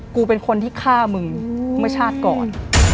กูเป็นคนที่ฆ่ามึงเมื่อชาติก่อน